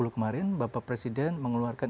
kemarin bapak presiden mengeluarkan